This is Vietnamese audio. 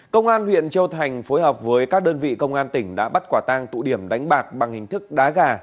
công an huyện châu thành phối hợp với các đơn vị công an tỉnh đã bắt quả tang tụ điểm đánh bạc bằng hình thức đá gà